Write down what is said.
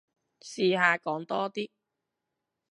試下講多啲